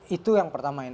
itu yang pertama